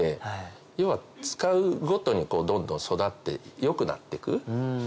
要は使うごとにどんどん育って良くなってく。